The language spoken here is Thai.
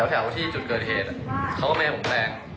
แล้วจุดเกิดเทศเค้าก็ไม่ให้ผมสแปง